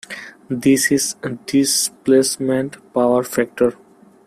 This is "displacement power factor".